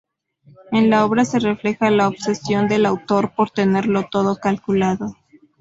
En la obra se refleja la obsesión del autor por tenerlo todo calculado.